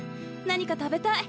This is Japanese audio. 何か食べたい。